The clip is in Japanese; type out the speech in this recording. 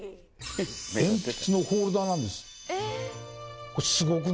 鉛筆のホルダーなんです。